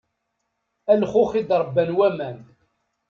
A lxux i d-ṛebban waman.